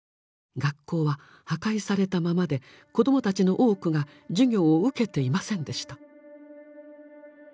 学校は破壊されたままで子どもたちの多くが授業を受けていませんでした。